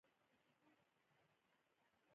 د دوي وړومبے ملاقات د اجمل بابا سره